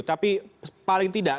tapi paling tidak